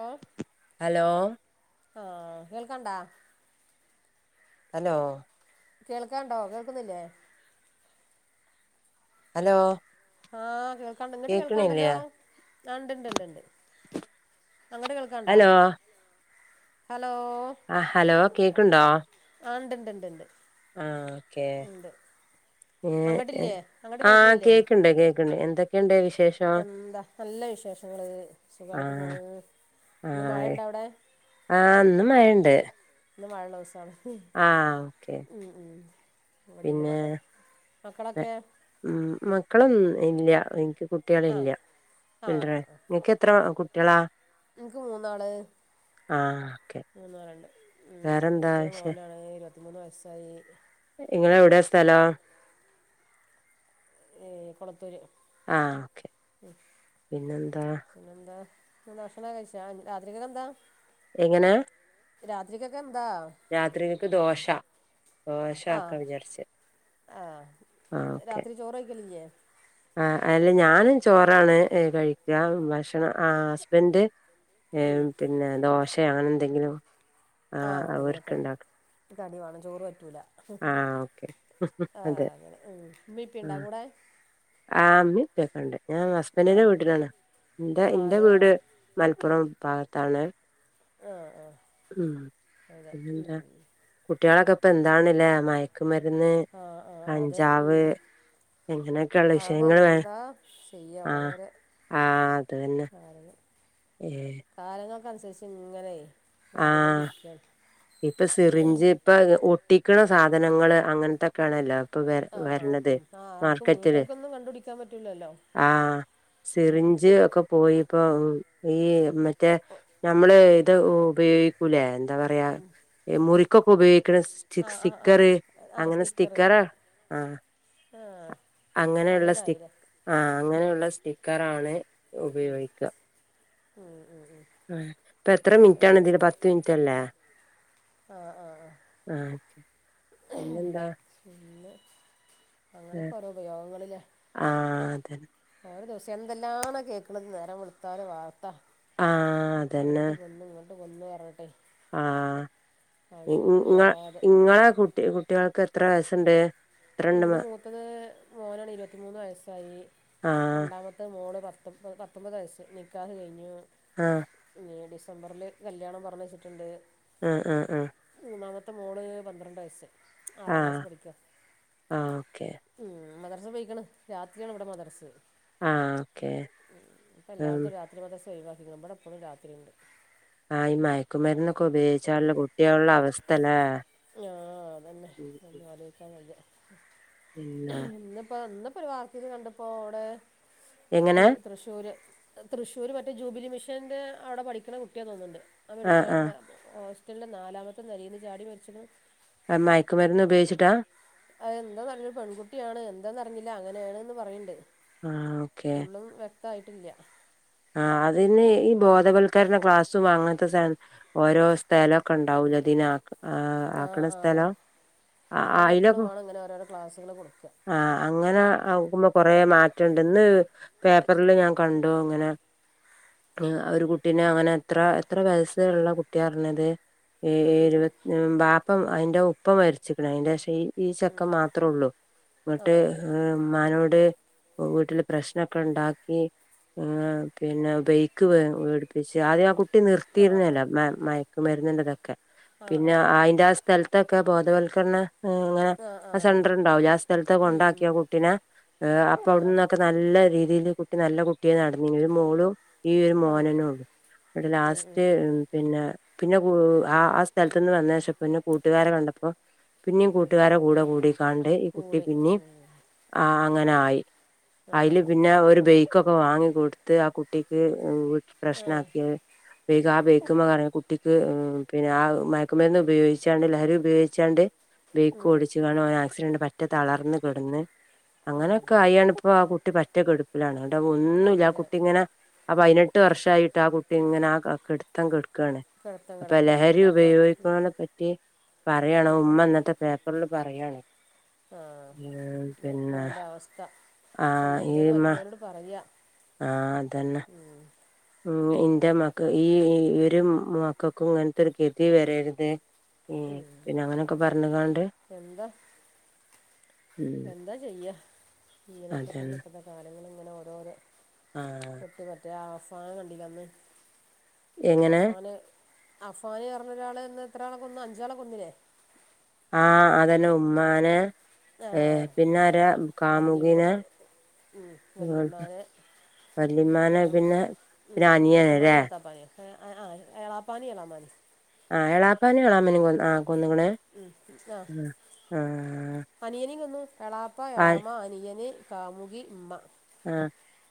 ഓ hello. ആഹ് കേൾകണ്ടാ? Hello. കേൾക്കാണ്ടോ കേൾക്കുന്നില്ലേ? അലോ.. ആഹ് കേൾക്കാണ്ട് ഇങ്ങട്ട് കേൾക്കാണ്ടല്ലോ, ആഹ് ണ്ട് ണ്ട് ണ്ട് ണ്ട് അങ്ങോട്ട് കേൾ ക്കാണ്ടാ ഹലോ അലോ. ആഹ് ഹലോ കേക്ണ്ടോ? ആഹ് ണ്ട് ണ്ട് ണ്ട് ണ്ട്. ആഹ് ഓക്കേ ഏഹ് അങ്ങട്ടില്ലേ അങ്ങട്ട് ആഹ് കേൾക്കണില്ലേ കേക്ക്ണ്ട് കേക്ക് ക്ക്ണ്ട് എന്തൊക്കെയുണ്ട് വിശേഷ അന്താ നല്ല വിശേഷങ്ങള് സുഖായിട്ട് പോണ്. ആഹ് ഇന്ന് അതെ മഴയുണ്ടോ അവിടെ ആഹ് ഇന്ന് മയണ്ട്. ഇന്ന് മഴള്ള ദിവസാണ്. ആഹ് ഓക്കെ. ഉം ഉം ഇവിടെ ഇന്ന് പിന്നെ മഴയാ മക്കളൊക്കെ മ് മക്കളൊന്നും ഇല്ല്യാ എനിക്ക് കു ആഹ് കുട്ട്യാളില്ല ആഹ് ഇല്ലറാ നിക്ക് എത്ര കുട്ട്യാളാ? ഇൻക്ക് മൂന്നാള്. ആ ഓക്കെ മൂന്നുപേര്ണ്ട് ഉം വേറെന്താ മൂത്തത് ശേ മോനാണ് ഇരുപത്തിമൂന്ന് വയസ്സായി. ഇങ്ങെളേ എവടെ സ്ഥലം? ഏഹ് കൊളത്തൂര്. ആഹ് ഓക്കെ പിന്നെന്താ? പിന്നെ ന്താ ഭക്ഷണം കഴിച്ചാ രാത്രികക്കെന്താ? എങ്ങനെ? രാത്രിക്കക്കെന്താ? രാത്രികക്ക് ദോശ ദോശ ആക്കാ വിചാരിച്ച്. ആഹ് രാത്രി ചോറഴിക്കലില്ല്യേ? ആഹ് അതല്ല ഞാന് ചോറാണ് കഴിക്കാ ഭക്ഷണം ആഹ് ഹസ്ബൻഡ് ഏഹ് പിന്നെ ദോഷേ അങ്ങനെ ന്തെങ്കിലും. ആഹ് എന്തെങ്കിലെക്കെ ആയിട്ട് കടി വാണം ചോറ് പറ്റൂല. ആ ഓക്കെ ആഹ് അതെ ഉം ഉമ്മീം ഇപ്പിം ണ്ടാ കൂടെ? ആഹ് മ്മീം ഇപ്പിക്കണ്ട് ഞാൻ ആ ഹസ്ബന്റിന്റെ വ്ട്ടിലാണ് ഇൻ്റെ ആ ഇന്റെ അതെ ആ ആ വീട് മൽപ്പുറം ഭാഗത്താണ്. ആഹ് ആഹ് അതെ ഉം. കുട്ട്യാളൊക്കെ ഇപ്പൊ എന്താണ്ല്ലേ മയക്കുമര്ന്ന് ആ ആ അതെ കഞ്ചാവ് എങ്ങനെയൊക്കെയുള്ള ആ അതെ വിഷയങ്ങള് വേ എന്താ ചെയ്യുക ആഹ്. ഓരോരോ ആഹ് അത് തന്നെ ഏഹ്. കാലങ്ങൾക്ക് അനുസരിച്ച് ഇങ്ങനെയ് ആ മാറിക്കൊണ്ടിരിക്കാണ്. ഇപ്പൊ സിറിഞ്ച് ഇപ്പ ഒട്ടിക്ക്ണ സാധനങ്ങള് അങ്ങൻത്തൊക്കെയാണല്ലോ. പ്പം വ ആഹ് ആഹ് വര്ണത് ഉം ആഹ് ആർക്കും മാർക്കറ്റില് വീട്ടുകാർക്കൊന്നും കണ്ടുപിടിക്കാൻ പറ്റൂലല്ലോ ആഹ്. സിറിഞ്ച് ഒക്കെ പോയിപ്പോ ഈ മറ്റേ നമ്മള് ഇത് ഉപയോഗി ക്കൂലെ എന്താ പറയാ മുറിക്കൊക്കെ ഉപയോഗിക്കണസ്, ചി ആഹ് ആഹ് ആഹ് സ്റ്റിക്കറ് ആഹ് അങ്ങനെ സ്റ്റിക്കറ ആ ആ ഇപ്പൊങ്ങനെ ആയിലേ ആ അങ്ങനെയുള്ള സ്റ്റിക്കറാണ് ഉം ഉപയോഗിക്കുക ഉം ഉം ഉം ആ ഇപ്പൊ എത്ര മിനിറ്റാണ് ഇതില് പത്ത് മിനിറ്റ്ല്ലേ? ആ ആ ആഹ് ആ പിന്നെന്താ പിന്നെ അങ്ങനൊക്കെ ഓരോ ഉപയോഗങ്ങളില്ലേ ആ അതെണെ ഒരു ദിവസം എന്തെല്ലാണോ കേക്കണത് നേരം വിളുത്തല് വാർത്ത ആഹ് അങ്ങോട്ട് കൊന്നു ഇങ്ങോട്ട് കൊന്നു പറഞ്ഞിട്ട് ആ ഇങ്ങ ഇങ്ങളെ കുട്ടി കുട്ടേൾക്ക് എത്ര വയസുണ്ട്? ഇൻ്റെ മൂത്തത് മോനാണ് ഇരുപത്തിമൂന്ന് വയസ്സായി ആഹ് രണ്ടാമത്തെ മോള് പ, ത്തൊ പത്തൊമ്പത് വയസ്സ് നിക്കാഹ് കഴിഞ്ഞു ആ ഇന്നീ ഡിസംബറില് കല്യാണം പറഞ്ഞു വെച്ചിട്ടുണ്ട് ആ ആ ആ മൂന്നാമത്തെ മോള് പന്ത്രണ്ട് വയസ്സ് ആ ആറാം ആ ഓക്കെ ഉം മദ്രസ് പോയിക്കണ് രാത്രിയാണ് ഇവിടെ മദ്രസ് ആഹ് ഓക്കെ ഉം ഇപ്പം ഉം എല്ലാടത്തും രാത്രി മദ്രസ് ഒഴിവാക്കിന്ന് ഇബടെ ഇപ്പളും രാത്രി ഇണ്ട് ആഹ് ഈ മയക്കുമരന്ന്ക്കെ ഉപയോഗിച്ചുള്ള കുട്ട്യാളുടെ അവസ്ഥല്ലേ ആഹ് അതന്നെ ഉം ഉം അതൊന്നും ആലോയ്ചാൻ വയ്യ പിന്നെ ഇന്നിപ്പോ ഇന്ന് ഒരു വാർത്തൽ കണ്ടപ്പോ എവിടെ തീ എങ്ങനെ തൃശ്ശൂർ തൃശ്ശൂർ മറ്റേ ജൂബിലി മിഷൻ്റെ അവിടെ പഠിക്കണ കുട്ടിയ തോന്നുന്നുണ്ട് ആഹ് മെഡിക്ക ഹോസ്റ്റലിന്റെ നാലാമത്തെ നെലേന്ന് ചാടി മരിച്ചണം മയക്കുമരുന്ന് ഉപയോഗിച്ചിട്ടാ അത എന്താ പററിഞ്ഞു പെൺകുട്ടിയാണ് എന്താന്ന് അറിഞ്ഞില്ല അങ്ങനെയാണ്ന്ന് പറയണ്ട് ആഹ് ഓക്കെ ഫുള്ളും വെക്തമായിട്ടില്ല ആ അതിന് ഈ ബോധവൽക്കരണ ക്ലാസ്സും അങ്ങനത്തെ സാ ഓരോ സ്ഥലക്കെ ഉണ്ടാവൂല ഇതിനെ ആഹ് ആഹ് ആ ആക്ക്ണെ ആ ആ സ്ഥലം ആ കുട്ടികൾക്ക് അയിലെക്ക എപ്പളും വേണം ഇങ്ങനെ ഓരോരോ ക്ലാസ്സുകൾ കൊടുക്കുക ആ അങ്ങനെ ആകുമ്പോ കൊറെ മാറ്റണ്ട്. ഇന്ന് പേപ്പറിൽ ഞാൻ കണ്ടു. ഇങ്ങനെ ഒരു കുട്ടീ അങ്ങനെ എത്ര എത്ര വയസ്സുള്ള കുട്ടി പറഞ്ഞത് ഇരു വാപ്പ അതിന്റെ ഉപ്പ മരച്ചിക്ക്ണ് അതിന്റെ ശേഷം ഈ ഈ ചെക്കൻ മാത്രമേ ഒള്ളൂ. ആ എന്നിട്ട് ഏഹ് ഉമ്മാനോട് വീട്ടില് പ്രശ്നമൊക്കെ ഉണ്ടാക്കി. ഏഹ് പിന്നെ ബൈക്ക് മേടിപ്പിച്ച് ആദ്യം ആ കുട്ടി ആ ആ നിർത്തിയിരുന്നതല്ലോ. മയക്ക മരുന്ന്ന്റെ ഇതൊക്കെ ആ പിന്നെ ആ അയിന്റെ ആ സ്ഥലത്തൊക്കെ ബോധവൽക്കരണ അങ്ങനെ ആ സെന്റർ ഉണ്ടാവൂല്ല ആ സ്ഥലത്ത് ഉം ഉം കൊണ്ടാക്കിയോ കുട്ടിനെ. അപ്പം ആ അവിട ക്കെ നല്ല രീതിയിൽ കുട്ടി നല്ല കുട്ടി ആയിനടനീനി ഒരു മോളും ഈ ഒരു ആ മോനനും ഒള്ളൂ ഇങ്ങട്ട് ലാസ്റ്റ് പിന്നെ പിന്നെ ആ ആ സ്ഥലത്തു നിന്ന് വന്ന ശേഷം പിന്നെ കൂട്ടുകാരെ കണ്ടപ്പോ പിന്നിം കൂട്ടുകാരെ കൂടെ കൂടിക്കാണ്ട് ഈ കുട്ടി കൂടി പിന്നിം ഉം ആഹ് അങ്ങനെ ആയി ആ ഐല് പിന്നെ ഒരു ബൈ കാെക്കെ വാങ്ങി കൊട്ത്ത് ആ കുട്ടിക്ക് ഉം വീട്ടില് ആ പ്രശ്നാക്കി അത് ബേഗ് ആ ബൈക്ക്മ്മെ കറങ്ങ്ണ കു ട്ടിക്ക് ഉം പിന്നെ ആ മയക്കുമെര്ന്ന് ഉപയോഗിച്ചാണ്ട് ലഹരി ഉപയോഗിച്ചാണ്ട് ബൈക്ക് ഉം ഓടിച്ച്കാണ്ട് ഓന് ആക്സിഡന്റ് പറ്റെ തളർന്ന് കെട്ന്ന് ഉം അങ്ങനെയൊക്കെ ആയേണ് ഇപ്പൊ ആ കുട്ടി പറ്റെകെട്പ്പിലാണ് ഇന്ന്ട്ടത് ഒന്നും ഇല്ലാ ആ കിടപ്പില കുട്ട് ഇങ്ങനാ അപൈനെട്ട് വർഷായിട്ട് ആ കുട്ടി ഇങ്ങനെ ആ ക കെട്ത്തം കെട്ക്കാണ് കിടത്തം അപ്പൊ കിടക്കുക ലഹരി എന്താപ്പം ഉം ഉപയോഗിക്കാനൊ പറ്റി പറയാണോ ആ ഉമ്മ ഇന്നത്തെ പേപ്പറില് പറയാണ് ആഹ് അതെ പിന്നെ മോന്റെ അവസ്ഥ ആ ചെയ്യരുതേന്ന് മറ്റുള്ളവരോട് പറയാ ആഹ് അതെന്നെ ഉം ഉം ഇന്റെ ഇമ്മാക്ക് ഈ ഒരും മക്കൾക്കും ഇങ്ങൻത്താെര് ഗെതി വെരര്ത് ഏഹ് പിന്നെ അങ്ങനെക്കെ പർണ്കാണ്ട് എന്താ എന്താ ചെയ്യാ ഇങ്ങനെയൊക്കെ തന്നെ അതന്നെ ഇപ്പത്തെ കാലങ്ങള് ഇങ്ങനെ ഓരോരെ ആഹ് ഇത് പറ്റെ ആ അഫാൻ കണ്ടിലെ അന്ന് എങ്ങനെ അഫാന് അഫാന് പർണ ഒരാള് ഇന്ന് എത്ര ആളെ കൊന്ന് അഞ്ചാളെ കൊന്നിലേ ആഹ് അതെന്നെ ഉമ്മാനെ ഏ ആഹ് പിന്നെ ഇമ്മാ ആരാ വല്ലിമ്മാ കാമുകിനെ ഉം വെല്ലിമ്മാനെ വല്ലിമ്മാനെ പിന്നം പിന്നെ ഉം പിന്നെ അനിയനല്ലേ മൂത്തമ്മാനിം മൂത്താപ്പാനേം ഏഹ് [unintelligible] എളാപ്പാനിം എളാമാനിം ആഹ് എളാപ്പാനിം എളാമനിം കൊന്നാ ആഹ് കൊന്ന്ക്ക്ണ് ഉം ആഹ് അനിയനിം കൊന്നു എളാപ്പ ആ എളാമ അനിയന് കാമുകി ഇമ്മ ആഹ്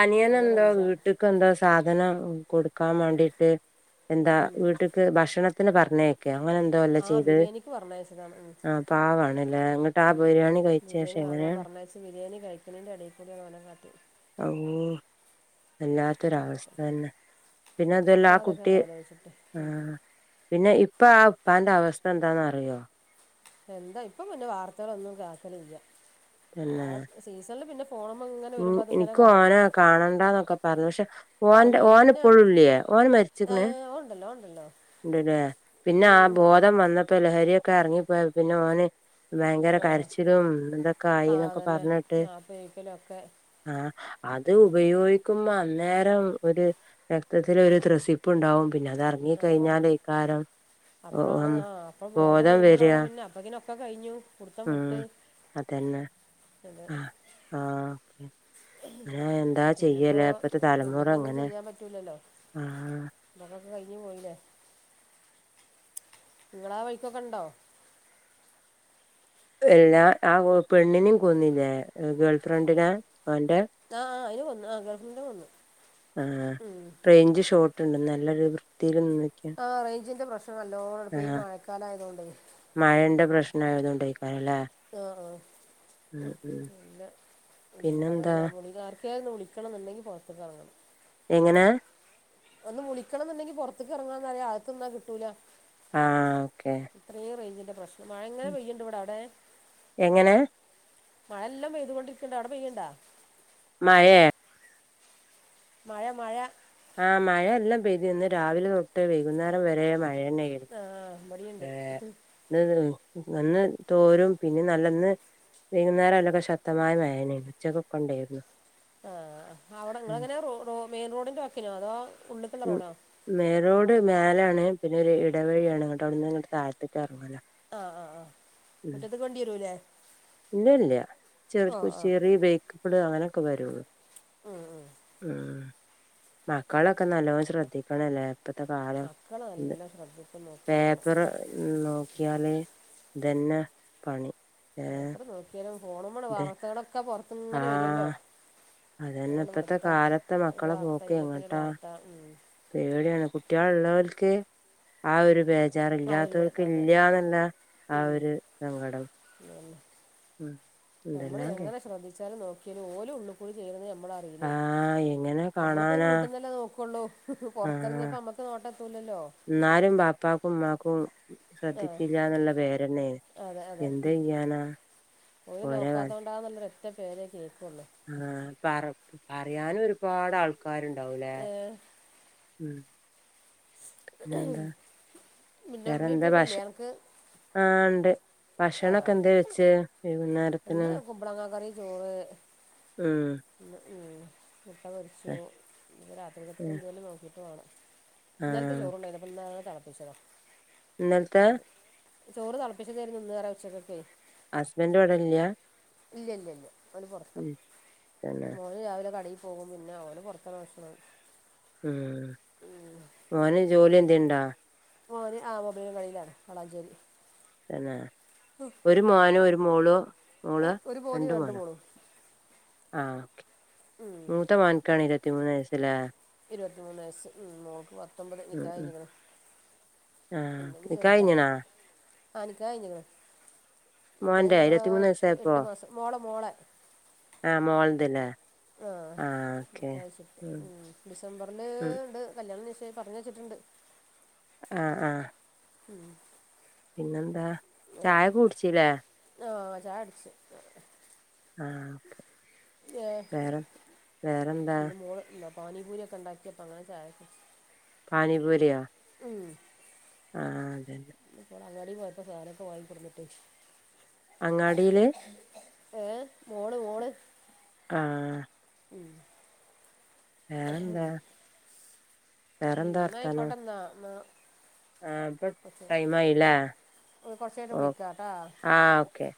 അനിയനെന്തോ വീട്ട്ക്കെന്തോ സാധനം ഉം കൊട്ക്കാംവാണ്ടീട്ട് എന്താ വീട്ട്ക്ക് ഭക്ഷണത്തിന് പർണയ ക്കെ അങ്ങനെ എന്തോ അല്ലേ ആ ചീതത് ബിരിയാണിക്ക് പറഞ്ഞയച്ചതാണ് ആഹ് പാവാണ്ല്ലേ ഇങ്ങട്ട് ആഹ് ബിരിയാണി കയി ബിരിയേണി വാങ്ങാംപർണയച്ച് ബിരിയേണി കഴിക്ക്ണൈന്റെ എടേകൂടിയാണ് ഓനാകാട്ടിയത് ഔ അപ്പം വെല്ലാത്തൊരവസ്ഥ തന്നെ പിന്നെ അതാെല്ലാ എന്താ ആ അതൊക്കെ കുട്ടി ആലോചിച്ചിട്ട് ഉം. ആഹ് പിന്നെ ഇപ്പൊ ആ ഉപ്പാന്റെ അവസ്ഥ എന്താന്ന് അറിയോ എന്താ ഇപ്പൊപിന്നെ വാർത്തകളൊന്നും കേക്കലില്യ എന്നെ സീസണല് പിന്നെ ഫ് ഫോണ് മ്മെ ഇങ്ങനെ ഉം വരുമ്പോൾ അതിങ്ങനെ ഇനിക്ക് കാണും ഓനെ കാണണ്ടാനാെക്കെ പർണു പക്ഷെ ഓന്റെ ഓന് ഇപ്പഴും ഇല്യേ ഓന് മരി ഏഹ് ഓൻണ്ടല്ലോ ഓൻണ്ടല്ലോ ഇണ്ട്ലേ പിന്നെ ആ ബോധം വന്നപ്പാെ ലഹരിഒക്കെ എർങ്ങിപോയപ്പൊ പിന്നെ ഓന് ഭയങ്കര ആ കരച്ചിലും ഇതെക്കെ ആയിന്നൊക്കെ പർണേട്ട് അപ്പൊ ഏക്കലൊക്കെ ആഹ് അത് ഉപയോ ഉപയോഗിക്കുമ്പാെ അന്നേരം ഒര് രക്തത്തില് ഒര് ത്രസിപ്പ് ഇണ്ടാവും പിന്നെ അതർ ഞ്ഞ് കെയിഞ്ഞാലൈക്കാരം അപ്പളാണ് ആഹ് അപ്പൊ ബോധം വരിക വെരുമ്പളാണ് പിന്നെ അപ്പക്കിനൊക്കെ കയിഞ്ഞു പുട്ത്തം ഉം വിട്ട് അതന്നെ [unintelligible] ആഹ് ഏ എന്താ പിന്നിപ്പോ ചെയ്യലേ. ഇപ്പത്തെ തലമുറ പിന്നിപ്പോ ഒന്നും അങ്ങനെ. ആഹ്. ഇങ്ങക്കൊക്കെ കഴിഞ് പോയിലെ. നിങ്ങളാ വൈക്കൊക്കെ ഇണ്ടോ. എല്ലാ ആ പെണ്ണിനിം കൊന്നിലെ. ഗേൾ ഫ്രണ്ടിനെ അവന്റെ ആ ആ അയിന് കൊന്നു. ആ ഗേൾ ഫ്രണ്ടിനെ കൊന്നു ഉം. റെയ്ഞ്ച് ഷോട്ട് ഇണ്ട് നല്ല വൃത്തിയിൽ നി ആ റഞ്ചിന്റെ പ്രശ്നം നല്ലോണണ്ട്. ഇപ്പ ഈ മഴക്കാല ആയതോണ്ടെ. മഴന്റെ പ്രശ്ന ആയതോണ്ട്യേക്കാരല്ലേ [unintelligible] പിന്നെന്താ ഒക്കെ ഇന്ന് വിളിക്കണം ഇന്നുണ്ടെങ്കി പൊറത്ത്ക്ക് എറങ്ങണം എങ്ങനാ ഒന്ന് വിളിക്കണം ഇന്ന്ണ്ടെങ്കി പൊറ്ത്ത്ക്ക് എറങ്ങണംന്നറിം. അകത്തു നിന്നാ കിട്ടൂല. ആ ഓക്കെ ഇത്രയും റേയ്ഞ്ചിന്റെ പ്രശ്നം. മഴ ഇങ്ങനെ പെയ്യ്ണ്ട് ഇവിടെ അവ്ടെ. എങ്ങനെ മഴെല്ലാം പെയ്ത കൊണ്ടിരിക്ക്ണ്ട്. ഔടെ പെയ്യിണ്ടോ. മഴേ മഴ മഴ ആഹ് മഴ നല്ലൊ പെയ്തിന്ന്. ഇന്ന് രാവിലെ തൊട്ട് വൈകുന്നേരം വരെ മഴന്നെ. ആ ഇബടീണ്ട് ആ ഒന്ന് തോരും പിന്നെ നല്ല ഇന്ന് വൈകുന്നേരം അല്ലൊക്കെ ശക്തമായ മഴയേനി. ഉച്ചക്കൊക്കെ ഇണ്ടായിരുന്നു. ആ അവിടെ ഇങ്ങളെ എങ്ങനെ റോ റോ മെയിൻ റോഡിന്റെ വക്കിനോ അതോ ഉള്ള്ക്കില്ലേ റോഡോ മേയ്റോട് [unintelligible] ലാണ് പിന്നെ ഒരു ഇട വഴിയാണ്. ഇങ്ങട്ട് അവിടുന്ന് ഇങ്ങട്ട് താഴ്ത്ത്ക്ക് എറങ്ങണം. ആഹ് ആഹ് ആഹ് മുറ്റത്ത്ക്ക് വണ്ടി വരുല്ലേ. ഇല്ല ഇല്ല ആഹ് ചെറ്യേ ബെ അങ്ങനൊക്കെ വരൊള്ളൂ ഉം ഉം ഉം മക്കള ഒക്കെ നല്ലോ ശ്രദ്ധിക്കണല്ലെ. ഇപ്പത്തെ കാലം മക്കൾ നല്ല ശ്രദ്ധിച്ച് നോക്കും വേണം പേപ്പർ നോ നോക്ക്യാല് ഇതെന്നെ പണി. ഏ പേപ്പർ നോക്ക്യാലും ഫോണുമ്മള് ഇത് വാർത്തകളൊക്കെ പൊറ്ത്ത് ഇങ്ങനെ വരൊല്ലോ. ആഹ് അതന്നെ നേരം ഇപ്പത്തെ വെളുത്ത കാലത്തെ ഒരു മക്കളെ വാർത്ത കഴിയുമ്പോക്കിന് ഒരു വാർത്ത ഉം. പേട്യാണ്. കുട്ട്യേള് ഇള്ളോ ൽക്ക് ആ ഒരു ബേജ് ആ ഒരു ഇല്ലാത്തവർക്ക് അതെ ഇല്ല ഇന്ന്ള്ള ആ ഒരു സങ്കടം അഹെന്നെ ഉം നമ്മള് എന്തെല്ലാം കേ എങ്ങനെ ശ്രദ്ധിച്ചാലും നോക്ക്യാലും ഓല് ഉള്ള്ക്കുടെ ചെയ്യണത് നമ്മള അലെ. ആഹ് എങ്ങനെ അമ്മളിപ്പ ഈ കാണാനാ വീട്ടന്നല്ലെ നോക്കൊള്ളു. പൊറത്തെറങ്ങ്യപ്പോ നമ്മക്ക് നോട്ട എത്തൂലല്ലോ. ഇന്നാലും പാപ്പാക്കും ഇമ്മാക്കും ആ ശ്രദ്ധിച്ചില്ല ഇന്ന്ള്ള പേരെന്നേണ്. അതെ അതെ ഉം. എന്തെയ്യാനാ ഓല് നോക്കാതൊണ്ടന്ന്ള്ളരു ഒറ്റ പേരെ കേക്കൊള്ളു. ആഹ് പറി. പറയാനു ഒരുപാട് ആൾക്കാരുണ്ടാവൂലേ. ഏ, ഉം [inaudible] പിന്നെന്താ പിന്നെ വേറെ അമ്മ എന്താ ഇപ്പൊക്കെ ഭാഷ ഇല്ലേ എനിക്ക് ആഹ ഉണ്ട് ഭക്ഷണൊക്കെ എന്താ വെച്ച് വൈകുന്നേരം ഇന്ന് കുമ്പളങ്ങാ കറി ചോറ് ഉം ഉം മുട്ട പൊരിച്ചു തെ- രാത്രികത്ത് ഉം. എന്തെകിലും നോക്കിട്ട് വേണം ആ ഇന്നലത്തെ ചോറണ്ടായിരുന്നു ഇപ്പോ ഇന്ന് അത് തളപ്പിച്ചത ഇന്നലത്തെ ചോറ് തിളപ്പിച്ചതരുന്നു ഇന്ന് ഉച്ചക്കൊക്ക ഹസ്ബൻഡ് ഇവിടെ ഇല്ല ഇല്ല ഇല്ല ഇല്ല അവര് പുറത്ത ഉം തന്നെ മോന് രാവിലെ കടയി പോകും പിന്നെ അവന് പുറത്താണ് ഭക്ഷണം ഉം ഓന് പിന്നെ ജോലി എന്തേലുണ്ടോ ആ ഓന് മൊബൈൽ കടയിലാണ് വാളാഞ്ചേരി തന്നെ ഒരു മോനോ ഒരു മോളോ മോള് ഒരു മോന് രണ്ടു മോനോ മോള് ആ ഓക്കെ ഉം, മൂത്ത മോൻക്കാണ് ഇരുപത്തി മൂന്ന് വയസ്സല്ലേ ഇരുപത്തിമൂന്ന് വയസ്സ് ഉം മോൾക്ക് പത്തൊമ്പത് ഉം നിക്കാഹ് ഉം കഴിഞ്ഞിണ് പിന്നെ ആഹ് ചെറുതാ കഴിഞ്ഞ്ണാ നിക്കാഹ് കഴിഞ്ഞികണ് നിക്കാഹ് മോന്റെ കഴിഞ്ഞിട്ടപ്പോ ഇരുപത്തിമൂന്ന് എട്ട് എട്ട് മാസം മോളെ മോളെ ആഹ മോളതിലെ ആ നിക്കഴച്ചിട്ട് ഉം ഡിസംബറിൽ ഉം ഉണ്ട് കല്യാണം നിശ്ചയം പറഞ്ഞ് വെച്ചിട്ടുണ്ട് ആഹ് ആഹ് ഉം പിന്നെന്താ ചായ കുടിച്ചില്ലേ ആ ചായകുടിച്ച് ആഹ് വേറെ വേറെന്താ [unintelligible] പാനിബൂരി ഒക്കെണ്ടാക്കിയപ്പോം അങ്ങനെ ചായക്കെ കുടിച്ച് പാനിപൂരിയോ ഉം ആഹ് അതെന്നെ ഇപാ അങ്ങാടി പോയപ്പോ സാധനം ഓകെ വാങ്ങി കൊടുന്നിട്ട് അങ്ങാടിയില് ഏഹ് മോള് മോള് ആഹ് ഉം ഉം വേറെന്താ വേറെന്താ വർത്താനം നയികൊട്ടന്നാ ന്നാ ആഹ് ഇപ്പൊ ടൈം ആയില്ലേ ശരി കൊറച്ചയിഞ്ഞിട്ട് ഓ വിളിക്കാട്ടാ ആഹ് ഓക്കെ